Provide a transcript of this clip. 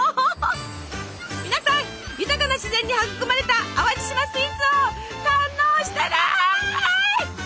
皆さん豊かな自然に育まれた淡路島スイーツを堪能してね！